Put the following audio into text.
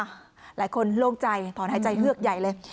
หลายคนโล่งใจถอนหายใจเฮือกใหญ่เลย